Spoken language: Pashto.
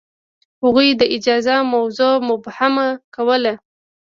هغوی د اجازه موضوع مبهمه کوله.